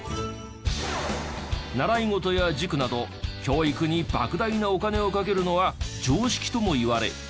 習い事や塾など教育に莫大なお金をかけるのは常識ともいわれ。